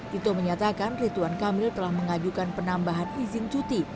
tito menyatakan rituan kamil telah mengajukan penambahan izin cuti